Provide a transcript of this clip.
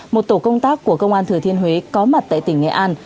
một tổ công tác của công an thừa thiên huế có mặt tại tỉnh nghệ an